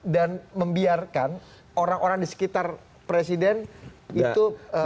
dan membiarkan orang orang di sekitar presiden itu